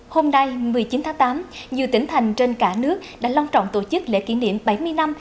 hôm nay một mươi chín tháng tám nhiều tỉnh thành trên cả nước đã long trọng tổ chức lễ kỷ niệm bảy mươi năm